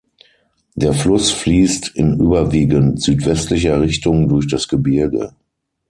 Der Fluss fließt in überwiegend südwestlicher Richtung durch das Gebirge.